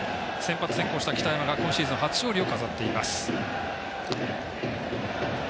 先発した北山が今シーズン初勝利を飾っています。